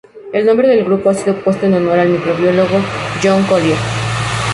El nombre del grupo ha sido puesto en honor al microbiólogo R. John Collier.